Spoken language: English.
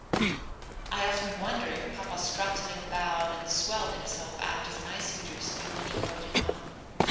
"I often wonder if papa strutted and bowed and swelled himself out as my suitors do, when he courted mamma.